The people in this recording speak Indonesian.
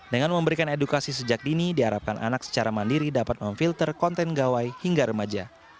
dengan memberikan edukasi sejak dini diharapkan anak secara mandiri dapat memfilter konten gawai hingga remaja